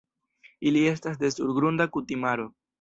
Ili estas de surgrunda kutimaro.